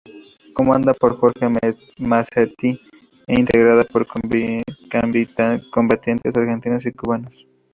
Comandada por Jorge Masetti e integrada por combatientes argentinos y cubanos.